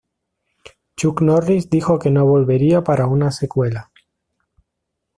Chuck Norris dijo que no volvería para una secuela.